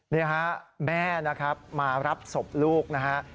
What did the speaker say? นี่ฮะแม่นะครับมารับศพลูกนะฮะ